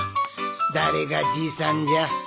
誰がじいさんじゃ？